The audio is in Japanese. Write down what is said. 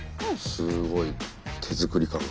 すごい手作り感。